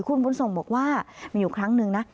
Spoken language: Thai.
คุณบุญส่งบอกว่ามีอยู่ครั้งนึงนะ